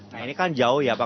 nah ini kan jauh ya pak